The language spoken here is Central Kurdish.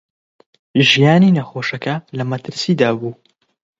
ژیانی نەخۆشەکە لە مەترسیدا بوو.